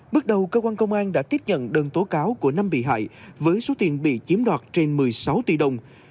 bước đầu cơ quan công an đã tiếp nhận đơn tố cáo của năm bị hại với số tiền bị chiếm đoạt trên một mươi sáu tỷ đồng